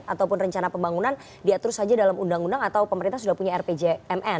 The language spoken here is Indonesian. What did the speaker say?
ataupun rencana pembangunan diatur saja dalam undang undang atau pemerintah sudah punya rpjmn